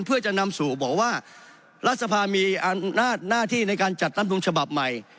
เพื่อจะนำสู่บอกว่ารัฐสภามีอำนาจหน้าที่ในการจัดรัฐมนุนฉบับใหม่